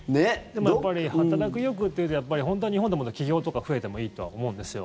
でも、やっぱり働く意欲というと本当、日本でも起業とか増えてもいいとは思うんですよ。